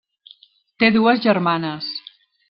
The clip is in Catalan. Té dues germanes.